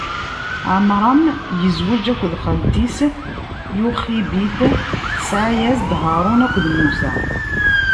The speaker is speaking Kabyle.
Ɛamṛam izweǧ akked xalti-s Yuxibid, tesɛa-as-d: Haṛun akked Musa.